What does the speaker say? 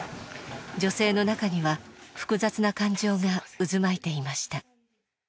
女性の中には複雑な感情が渦巻いていました。